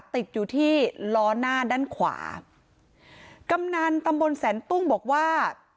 ติดอยู่ที่ล้อหน้าด้านขวากำนันตำบลแสนตุ้งบอกว่า